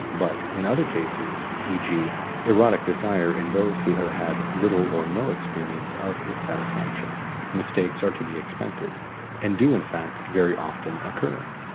But in other cases e.g. erotic desire in those who have had little or no experience of its satisfaction mistakes are to be expected, and do in fact very often occur.